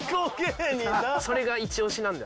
それがイチオシなんだ。